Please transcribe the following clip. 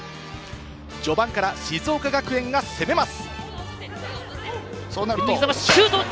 序盤から静岡学園が攻めます。